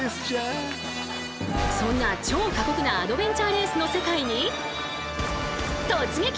そんな超過酷なアドベンチャーレースの世界に突撃！